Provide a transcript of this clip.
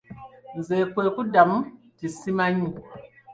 Nze kwe kumuddamu nti simanyi.